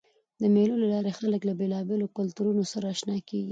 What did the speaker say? د مېلو له لاري خلک له بېلابېلو کلتورونو سره اشنا کېږي.